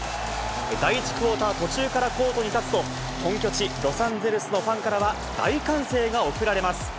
第１クオーター途中からコートに立つと、本拠地、ロサンゼルスのファンからは大歓声が送られます。